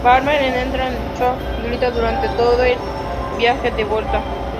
Walter entra en shock y grita durante todo el viaje de vuelta.